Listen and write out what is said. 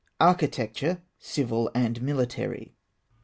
ARCHITECTURE CIVIL AND MILITARY.